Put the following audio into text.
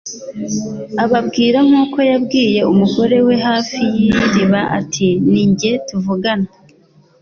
Ababwira nk'uko yabwiye umugore wari hafi y'iriba ati: "Ni njye tuvugana."